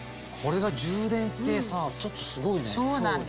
これが充電ってさちょっとすごいね。